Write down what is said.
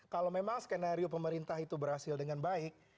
kalau memang skenario pemerintah itu berhasil dengan baik